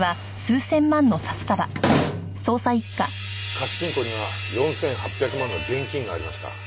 貸金庫には４８００万の現金がありました。